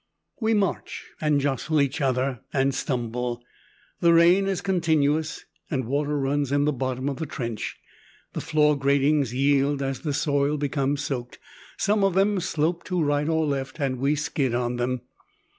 We march, and jostle each other, and stumble. The rain is continuous, and water runs in the bottom of the trench. The floor gratings yield as the soil becomes soaked; some of them slope to right or left and we skid on them.